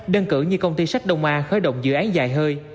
đơn cử như công ty sách đông a khởi động dự án dài hơi